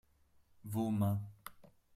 vos mains.